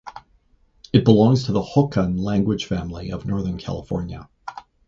It belongs to the Hokan language family of Northern California.